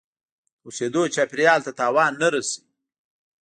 د اوسیدو چاپیریال ته تاوان نه رسوي.